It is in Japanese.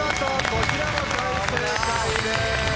こちらも大正解です。